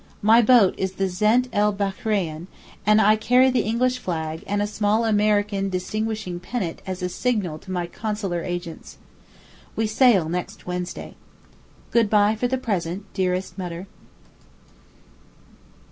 My boat is the Zint el Bachreyn, and I carry the English flag and a small American distinguishing pennant as a signal to my consular agents. We sail next Wednesday. Good bye for the present, dearest Mutter.